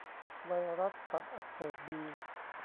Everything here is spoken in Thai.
ไวรัสตับอักเสบบี